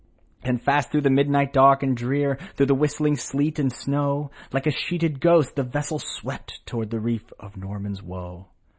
And fast through the midnight dark and drear, Through the whistling sleet and snow, Like a sheeted ghost, the vessel swept To'ards the reef of Norman's Woe.